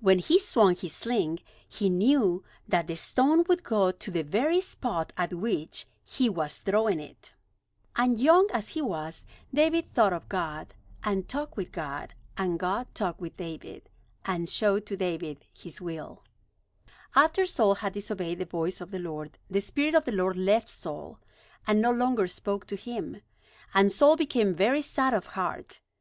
When he swung his sling, he knew that the stone would go to the very spot at which he was throwing it. [Illustration: Then Samuel poured oil on David's head] And young as he was, David thought of God, and talked with God, and God talked with David, and showed to David His will. After Saul had disobeyed the voice of the Lord, the Spirit of the Lord left Saul, and no longer spoke to him. And Saul became very sad of heart.